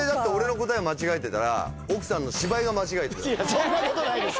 そんなことないです！